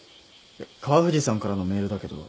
川藤さんからのメールだけど。